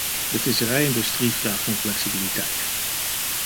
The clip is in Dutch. De visserij-industrie vraagt om flexibiliteit.